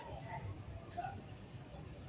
สวัสดีทุกคน